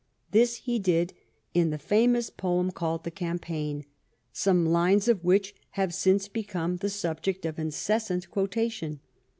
This he did in the famous poem called " The Cam paign," some lines of which have since become the subject of incessant quotation.